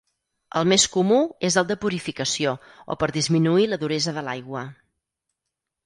El més comú és el de purificació o per disminuir la duresa de l'aigua.